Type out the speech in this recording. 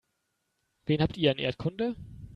Wen habt ihr in Erdkunde?